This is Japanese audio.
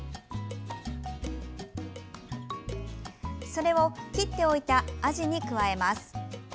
それを、切っておいたあじに加えます。